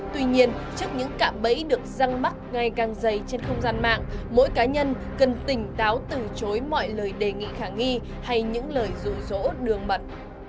tuy nhiên trước những cạm bẫy được răng mắc ngày càng dày trên không gian mạng mỗi cá nhân cần tỉnh táo từ chối mọi lời đề nghị khả nghi hay những lời rủ rỗ đường mật